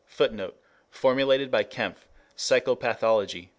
[Footnote: Formulated by Kempf, Psychopathology, p.